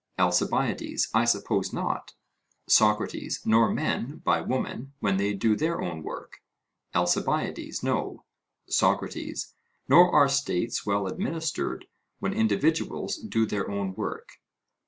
ALCIBIADES: I suppose not. SOCRATES: Nor men by women when they do their own work? ALCIBIADES: No. SOCRATES: Nor are states well administered, when individuals do their own work?